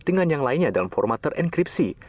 dengan yang lainnya dalam format terenkripsi